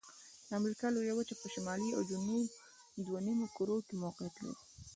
د امریکا لویه وچه په شمالي او جنوبي دوه نیمو کرو کې موقعیت لري.